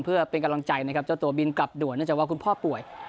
เพื่อเป็นกำลังใจนะครับเจ้าตัวบินกลับด่วนเนื่องจากว่าคุณพ่อป่วย